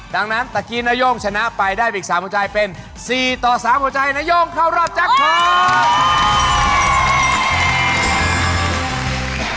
ดังนั้นตะกี้นายองชนะไปได้อีกศาลหัวใจเป็นสี่ต่อสามหัวใจในนายองเข้ารอบจังครรภ์